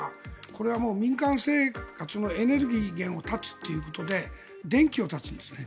これはエネルギー源を断つということで電気を断つんですね。